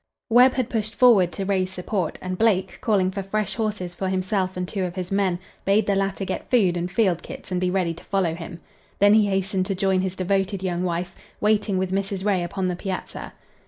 Webb had pushed forward to Ray's support, and Blake, calling for fresh horses for himself and two of his men, bade the latter get food and field kits and be ready to follow him. Then he hastened to join his devoted young wife, waiting with Mrs. Ray upon the piazza.